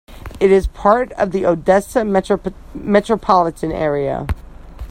It is part of the Odessa metropolitan area.